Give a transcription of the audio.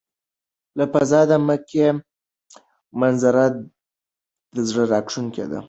له فضا د مکې منظره د زړه راښکونکې ده.